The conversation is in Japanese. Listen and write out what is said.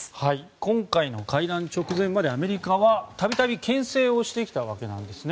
今回の会談直前までアメリカはたびたび牽制をしてきたわけなんですね。